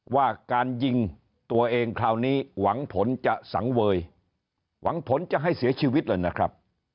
ว่าการยิงตัวเองคราวนี้หวังผลจะสังเวยหวังผลจะให้เสียชีวิตเลยนะครับ